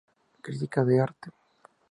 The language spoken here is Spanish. Crítica de arte.